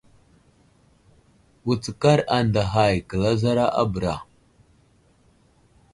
Wutskar anday hay kəlazara a bəra.